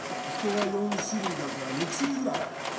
人は４種類だから６種類ぐらい？